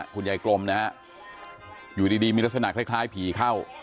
คุณใหญ่โกลมอยู่ดีมีลักษณะคล้ายผีเข้า